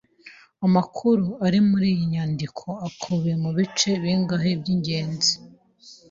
Amakuru ari muri iyi nyandiko akubiye mu bice bingahe by’ ingenzi